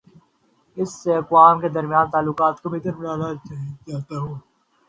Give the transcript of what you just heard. اس سے اقوام کے درمیان تعلقات کو بہتر بنایا جا تا ہے۔